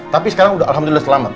tapi sekarang udah alhamdulillah selamat